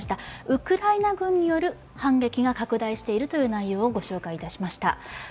ウクライナ軍による反撃が拡大しているという内容を御紹介しました。